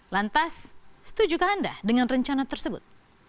lantas setujukah anda dengan rencana tersebut